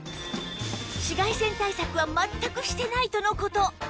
紫外線対策は全くしてないとの事